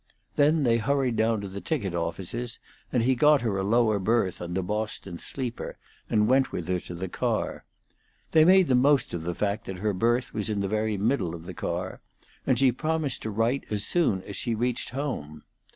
Then they hurried down to the ticket offices, and he got her a lower berth in the Boston sleeper, and went with her to the car. They made the most of the fact that her berth was in the very middle of the car; and she promised to write as soon as she reached home.